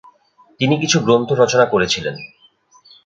তিনি কিছু গ্রন্থ রচনা করেছিলেন।